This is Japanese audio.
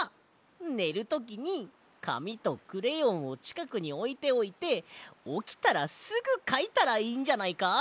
ねるときにかみとクレヨンをちかくにおいておいておきたらすぐかいたらいいんじゃないか？